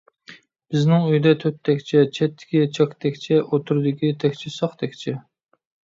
بىزنىڭ ئۆيدە تۆت تەكچە، چەتتىكى چاك تەكچە، ئوتتۇرىدىكى تەكچە ساق تەكچە.